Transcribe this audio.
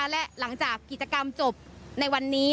และหลังจากกิจกรรมจบในวันนี้